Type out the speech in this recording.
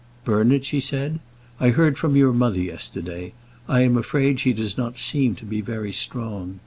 "Bernard," she said, "I heard from your mother yesterday. I am afraid she does not seem to be very strong."